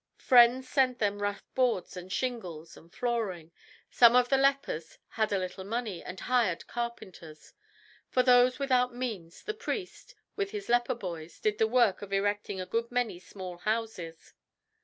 Friends sent them rough boards and shingles and flooring. Some of the lepers had a little money, and hired carpenters. For those without means the priest, with his leper boys, did the work of erecting a good many small houses.